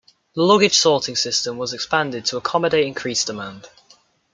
The luggage sorting system was expanded to accommodate increased demand.